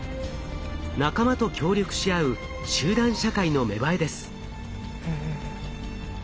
仲間と協力し合う集団社会の芽生えです。